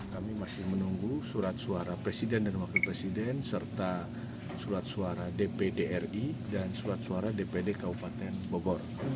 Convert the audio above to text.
kami masih menunggu surat suara presiden dan wakil presiden serta surat suara dpd ri dan surat suara dpd kabupaten bogor